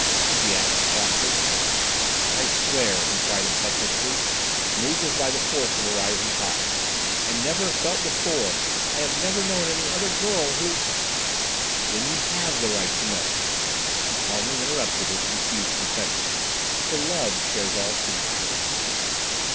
she asked softly. "I swear," he cried impetuously, moved as by the force of a rising tide, "I never felt before—I have never known any other girl who—" "Then you have the right to know," she calmly interrupted his confused confession, "for love shares all secrets."